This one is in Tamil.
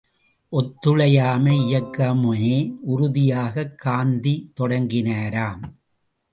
ஒத்துழையாமை இயக்கமுமே உறுதியாய்க் காந்தி தொடங்கினராம்.